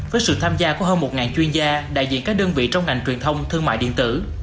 với sự tham gia của hơn một chuyên gia đại diện các đơn vị trong ngành truyền thông thương mại điện tử